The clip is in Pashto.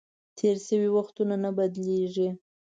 تېر شوي وختونه نه بدلیږي .